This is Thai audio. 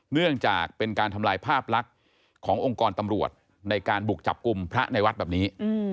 เนื่องจากเป็นการทำลายภาพลักษณ์ขององค์กรตำรวจในการบุกจับกลุ่มพระในวัดแบบนี้